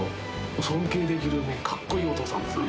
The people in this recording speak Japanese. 尊敬できるかっこいいお父さんですね。